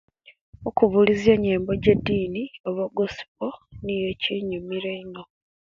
Okubulizya enyembo jedini oba gospo niyo ejinyumira eino